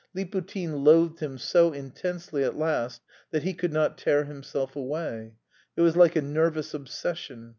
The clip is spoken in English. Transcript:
Liputin loathed him so intensely at last that he could not tear himself away. It was like a nervous obsession.